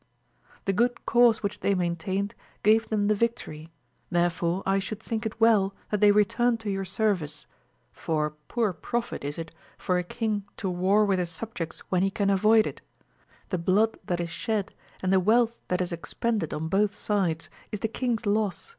The good cause which they maintained gave them the victory; therefore I should think it well that they returned to your service, for poor profit is it for a king to war with his subjects when he can avoid it : the blood that is shed, and the wealth that is expended on both sides, is the king's loss